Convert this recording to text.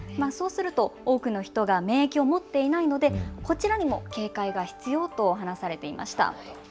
多くの人が免疫を持っていないのでこちらにも警戒が必要と話されていました。